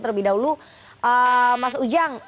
terlebih dahulu mas ujang